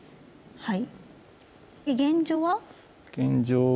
はい。